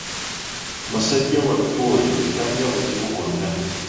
Musajja wattu oyo talina buzibu bwonna.